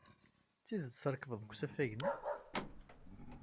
D tidet trekbeḍ deg usafag-nni?